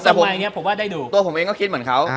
แต่ตัวผมเองก็คิดเหมือนเขา